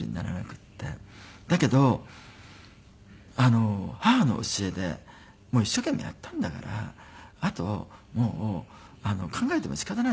だけど母の教えで「もう一生懸命やったんだからあともう考えても仕方ないじゃない」って。